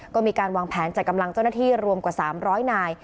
ก็มีการวางแผนจัดกำลังเจ้าหน้าที่รวมกว่า๓๐๐นาย